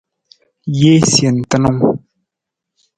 Jee sentunung.